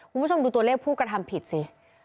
คุณผู้ชมดูตัวเลขผู้กระทำผิดสิ